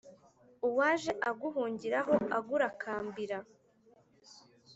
uwaj e aguhungira ho agurakambira